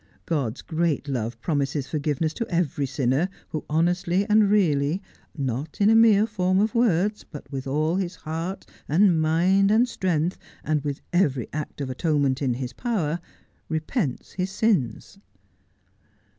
God's great love promises for giveness to every sinner who honestly and really — not in a mere form of words, but with all his heart and mind and strength, and with every act of atonement in his power — repents his sins.'